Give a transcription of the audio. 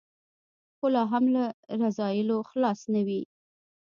خو لا هم له رذایلو خلاص نه وي.